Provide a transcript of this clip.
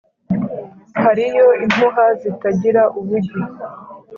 hariyo impuha zitagira ubugi